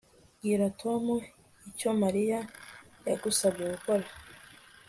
Bwira Tom icyo Mariya yagusabye gukora